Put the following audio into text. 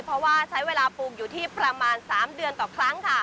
เพราะว่าใช้เวลาปลูกอยู่ที่ประมาณ๓เดือนต่อครั้งค่ะ